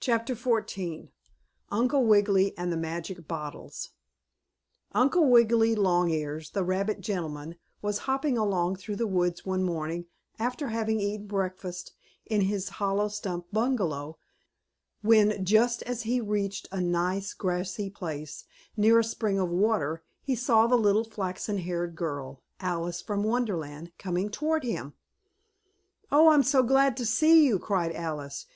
CHAPTER XIV UNCLE WIGGILY AND THE MAGIC BOTTLES Uncle Wiggily Longears, the rabbit gentleman, was hopping along through the woods one morning after having eaten breakfast in his hollow stump bungalow, when, just as he reached a nice, grassy place, near a spring of water, he saw the little flaxen haired girl, Alice from Wonderland, coming toward him. "Oh, I'm so glad to see you!" cried Alice.